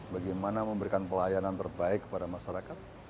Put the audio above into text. bagaimana memberikan pelayanan terbaik kepada masyarakat